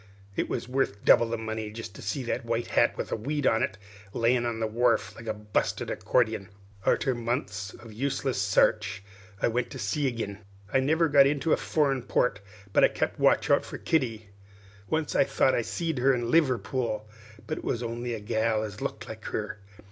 It was worth double the money jest to see that white hat, with a weed on it, layin' on the wharf like a busted accordiun. "Arter months of useless sarch, I went to sea agin. I never got into a foren port but I kept a watch out for Kitty. Once I thought I seed her in Liverpool, but it was only a gal as looked like her.